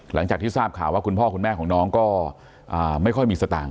หลังจากที่ทราบข่าวว่าคุณพ่อคุณแม่ของน้องก็ไม่ค่อยมีสตางค